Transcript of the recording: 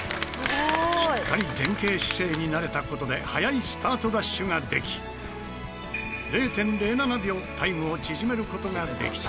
しっかり前傾姿勢になれた事で速いスタートダッシュができ０．０７秒タイムを縮める事ができた。